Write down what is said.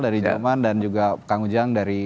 dari jerman dan juga pak ujang dari